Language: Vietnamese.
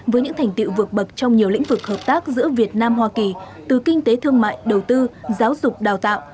với những thành tiệu vượt bậc trong nhiều lĩnh vực hợp tác giữa việt nam hoa kỳ từ kinh tế thương mại đầu tư giáo dục đào tạo